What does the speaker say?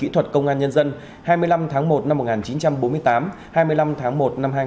hai mươi năm tháng một năm một nghìn chín trăm bốn mươi tám hai mươi năm tháng một năm hai nghìn hai mươi ba